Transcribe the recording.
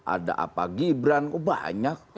ada apa gibran kok banyak